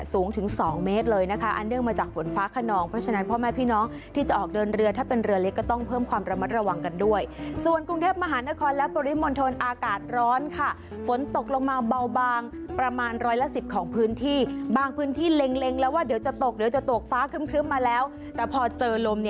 สูงถึง๒เมตรเลยนะคะอันเนื่องมาจากฝนฟ้าขนองเพราะฉะนั้นพ่อแม่พี่น้องที่จะออกเดินเรือถ้าเป็นเรือเล็กก็ต้องเพิ่มความระมัดระวังกันด้วยส่วนกรุงเทพมหานครและปริมณฑลอากาศร้อนค่ะฝนตกลงมาเบาบางประมาณร้อยละสิบของพื้นที่บางพื้นที่เล็งแล้วว่าเดี๋ยวจะตกเดี๋ยวจะตกฟ้าครึ้มมาแล้วแต่พอเจอลม